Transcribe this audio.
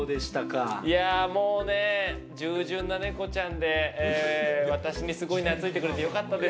もうね、従順なネコちゃんで私にすごい懐いてくれて良かったです。